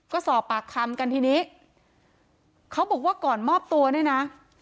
ก็สอบปากคำกันทีนี้เขาบอกว่าก่อนมอบตัวเนี่ยนะ